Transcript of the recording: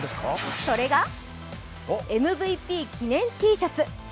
それが、ＭＶＰ記念Ｔシャツ。